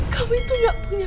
kamu itu gak punya